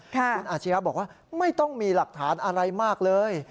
คุณอาชียะบอกว่าไม่ต้องมีหลักฐานอะไรมากเลย